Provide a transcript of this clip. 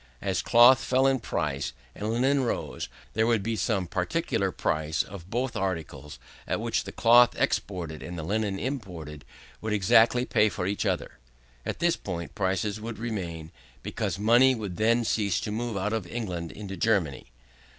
As cloth fell in price and linen rose, there would be some particular price of both articles at which the cloth exported, and the linen imported, would exactly pay for each other. At this point prices would remain, because money would then cease to move out of England into Germany.